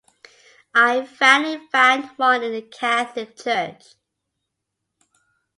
I finally found one in the Catholic church.